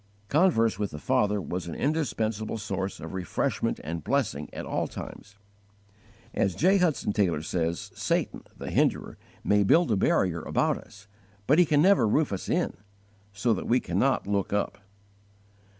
_ Converse with the Father was an indispensable source of refreshment and blessing at all times. As J. Hudson Taylor says "Satan, the Hinderer, may build a barrier about us, but he can never roof us in, so that we cannot _look up."